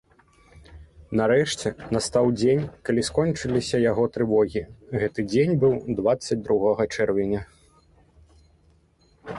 Нарэшце настаў дзень, калі скончыліся яго трывогі, гэты дзень быў дваццаць другога чэрвеня.